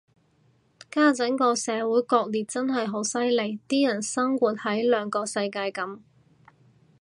家陣個社會割裂真係好犀利，啲人生活喺兩個世界噉